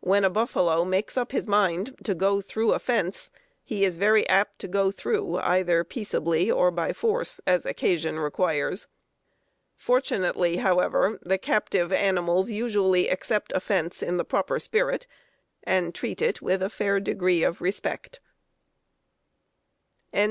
When a buffalo makes up his mind to go through a fence, he is very apt to go through, either peaceably or by force, as occasion requires. Fortunately, however, the captive animals usually accept a fence in the proper spirit, and treat it with a fair degree of respect. VIII.